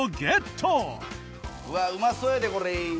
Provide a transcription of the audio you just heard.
うわっうまそうやでこれ。